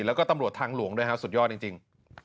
แล้วก็ตำรวจทางหลวงด้วยฮะสุดยอดจริง